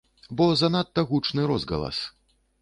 Бо занадта гучны розгалас.